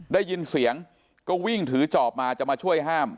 ได้ยินเสียงก็วิ่งถือจอบมาจะมาช่วยห้าม